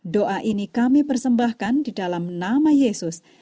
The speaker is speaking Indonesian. doa ini kami persembahkan di dalam nama yesus